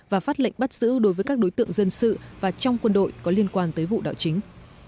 và phát lệnh bắt giữ đối với các đối tượng dân sự và trong quân đội có liên quan tới vụ đảo chính